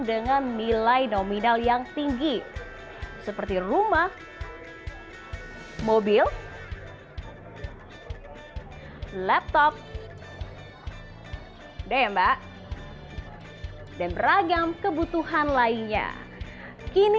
dengan nilai nominal yang tinggi seperti rumah mobil laptop deh mbak dan beragam kebutuhan lainnya kini